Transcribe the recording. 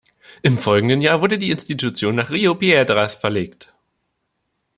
Im folgenden Jahr wurde die Institution nach Rio Piedras verlegt.